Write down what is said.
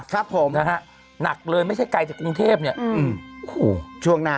ครับผมนะฮะหนักเลยไม่ใช่ไกลจากกรุงเทพเนี่ยอืมโอ้โหช่วงหน้า